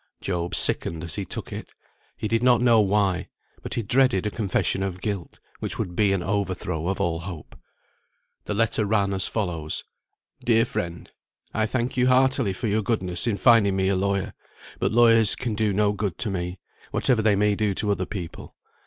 Job sickened as he took it. He did not know why, but he dreaded a confession of guilt, which would be an overthrow of all hope. The letter ran as follows. DEAR FRIEND, I thank you heartily for your goodness in finding me a lawyer, but lawyers can do no good to me, whatever they may do to other people.